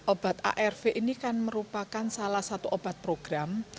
obat arv ini kan merupakan salah satu obat program